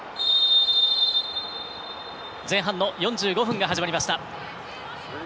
前半の４５分が始まりました。